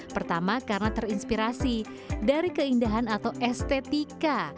pertama karena terinspirasi dari keindahan atau estetika